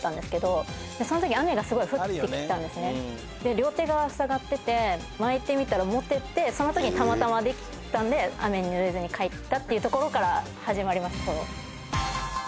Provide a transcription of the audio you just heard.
両手がふさがってて巻いてみたら持ててたまたまできたんで雨にぬれずに帰ったところから始まりました。